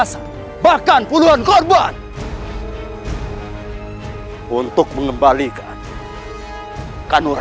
saya harus menumbuhkan